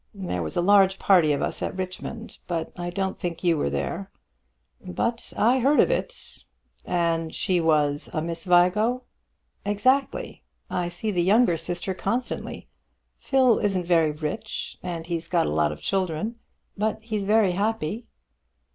There was a large party of us at Richmond, but I don't think you were there." "But I heard of it." "And she was a Miss Vigo?" "Exactly. I see the younger sister constantly. Phil isn't very rich, and he's got a lot of children, but he's very happy."